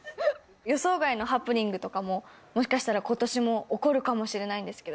予想外のハプニングとかも、もしかしたら、ことしも起こるかもしれないんですけど。